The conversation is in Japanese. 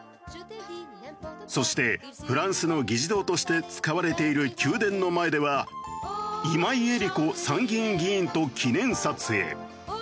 そしてフランスの議事堂として使われている宮殿の前では今井絵理子参議院議員と記念撮影。